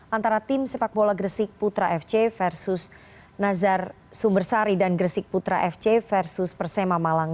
antara tim sepak bola gresik putra fc versus nazar sumbersari dan gresik putra fc versus persema malang